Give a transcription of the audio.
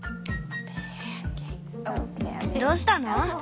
どうしたの？